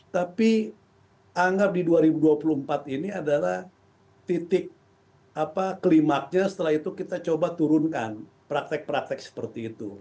tapi anggap di dua ribu dua puluh empat ini adalah titik klimaknya setelah itu kita coba turunkan praktek praktek seperti itu